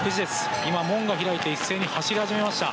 今、門が開いて一斉に走り始めました。